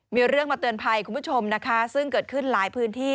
มีเรื่องมาเตือนภัยคุณผู้ชมนะคะซึ่งเกิดขึ้นหลายพื้นที่